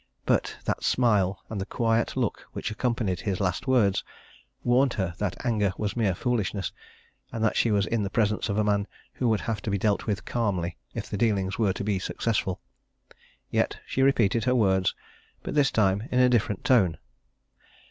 But that smile, and the quiet look which accompanied his last words, warned her that anger was mere foolishness, and that she was in the presence of a man who would have to be dealt with calmly if the dealings were to be successful. Yet she repeated her words, but this time in a different tone.